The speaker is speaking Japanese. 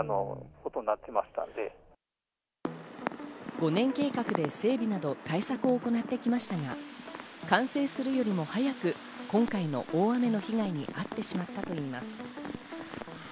５年計画で整備など対策を行ってきましたが、完成するよりも早く、今回の大雨の被害に遭ってしまったといいます。